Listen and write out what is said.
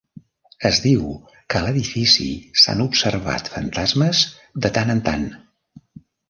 Es diu que a l'edifici s'han observat fantasmes de tant en tant.